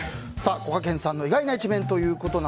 こがけんさんの意外な一面。